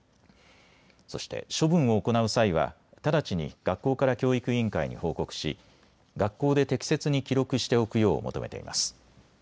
そして処分を行う際は直ちに学校から教育委員会に報告し学校で適切に記録しておくよう求めています。